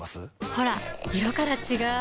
ほら色から違う！